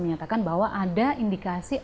menyatakan bahwa ada indikasi